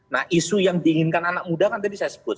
nah isu yang diinginkan anak muda kan tadi saya sebut